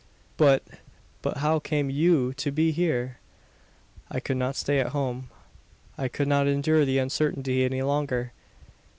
"But but, how came you to be here?" "I could not stay at home. I could not endure the uncertainty any longer.